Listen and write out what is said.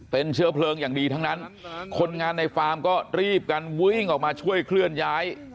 เป็นเชื้อเพลิงอย่างดีทั้งนั้นคนงานในฟาร์มก็รีบกันวิ่งออกมาช่วยเคลื่อนย้าย